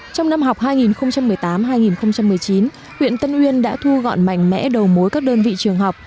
trong năm học hai nghìn một mươi tám hai nghìn một mươi chín huyện tân uyên đã thu gọn mạnh mẽ đầu mối các đơn vị trường học